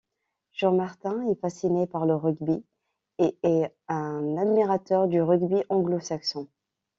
Jean Martin est fasciné par le rugby et est un admirateur du rugby anglo-saxon.